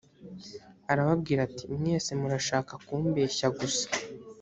arababwira ati “mwese murashaka kumbeshya gusa”